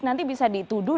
nanti bisa dituduh